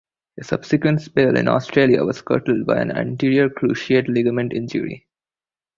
A subsequent spell in Australia was curtailed by an anterior cruciate ligament injury.